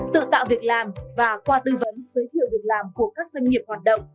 tự tạo việc làm và qua tư vấn giới thiệu việc làm của các doanh nghiệp hoạt động